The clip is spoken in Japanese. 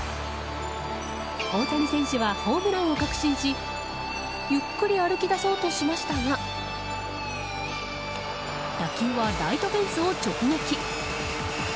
大谷選手はホームランを確信しゆっくり歩きだそうとしましたが打球はライトフェンスを直撃。